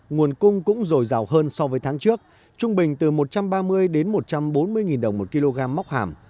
nguồn cung cũng dồi dào hơn so với tháng trước trung bình từ một trăm ba mươi đến một trăm bốn mươi đồng một kg móc hàm